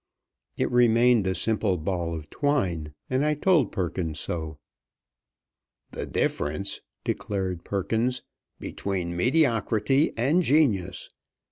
It remained a simple ball of red twine, and I told Perkins so. "The difference," declared Perkins, "between mediocrity and genius!